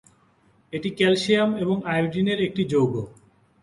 এটি ক্যালসিয়াম এবং আয়োডিনের একটি যৌগ।